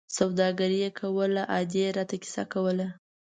سوداګري یې کوله، ادې را ته کیسه کوله.